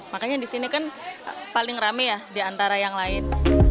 makanya disini kan paling rame ya diantara yang lain